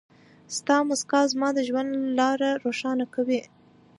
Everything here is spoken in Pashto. ستا مسکا زما د ژوند لاره روښانه کوي.